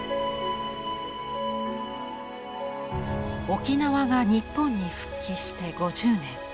沖縄が日本に復帰して５０年。